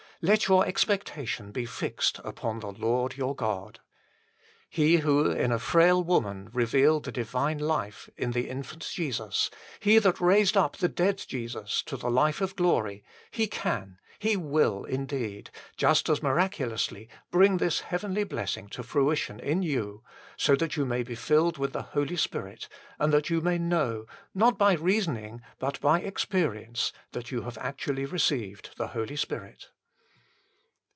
Let your expectation be fixed upon the Lord your God. He who in a frail woman revealed the divine life in the Infant Jesus, He that raised up the dead Jesus to the life of glory, He can He will, indeed just as miraculously bring this heavenly blessing to fruition in you, so that you may be filled with the Holy Spirit and that you may know, not by reasoning but by experi ence, that you have actually received the Holy Spirit.